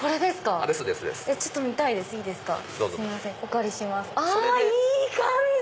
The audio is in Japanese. あいい感じ！